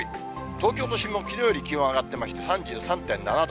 東京都心もきのうより気温上がってまして、３３．７度。